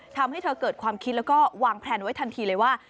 ทำให้เธอเกิดความคิดแล้วก็วางแพลนไว้ทันทีเลยว่า